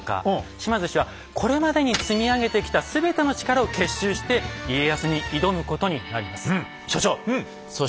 島津氏はこれまでに積み上げてきた全ての力を結集して家康に挑むことになります。